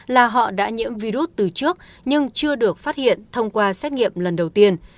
là họ đã nhiễm virus từ trước nhưng chưa được phát hiện thông qua xét nghiệm lần đầu tiên